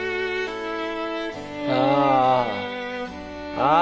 ああ。